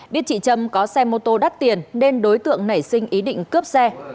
biết chị trâm có xe mô tô đắt tiền nên đối tượng nảy sinh ý định cướp xe